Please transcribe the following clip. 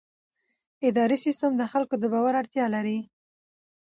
اداري سیستم د خلکو د باور اړتیا لري.